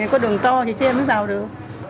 có đường to thì xe mới vào được